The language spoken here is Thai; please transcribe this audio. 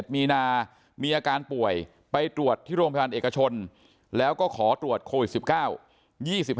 มีนามีอาการป่วยไปตรวจที่โรงพยาบาลเอกชนแล้วก็ขอตรวจโควิด๑๙